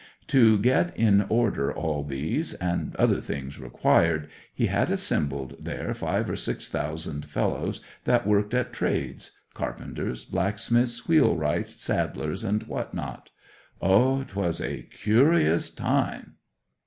To get in order all these, and other things required, he had assembled there five or six thousand fellows that worked at trades—carpenters, blacksmiths, wheelwrights, saddlers, and what not. O 'twas a curious time!